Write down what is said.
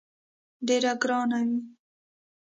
ډېره ګرانه وي.